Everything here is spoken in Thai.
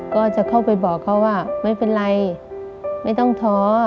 ก็จะเข้าไปบอกเขาว่าไม่เป็นไรไม่ต้องท้อ